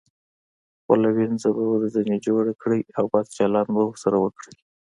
خپله وينځه به ورځنې جوړه کړئ او بد چلند به ورسره وکړئ.